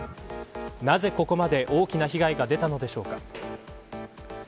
なぜここまで大きな被害が出たのでしょうか。